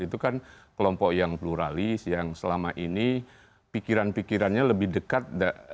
itu kan kelompok yang pluralis yang selama ini pikiran pikirannya lebih dekat